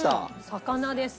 魚です。